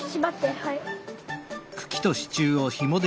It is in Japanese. はい。